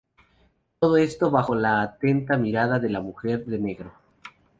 Todo esto, bajo la atenta mirada de la Mujer de negro.